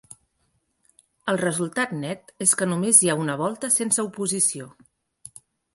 El resultat net és que només hi ha una volta sense oposició.